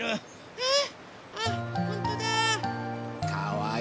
えっ！